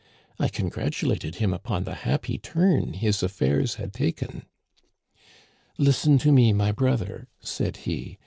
I congratulated him upon the happy turn his affairs had taken. "* Listen to me, my brother,' said he.